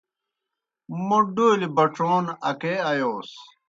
موْ ڈولیْ بَڇَون اکے آیوس۔